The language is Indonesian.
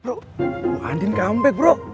bro bu andien kembali bro